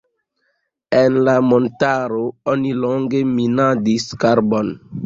En la montaro oni longe minadis karbon.